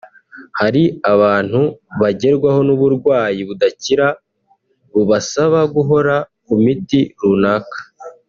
Hari abantu bagerwaho n’uburwayi budakira bubasaba guhora ku miti runaka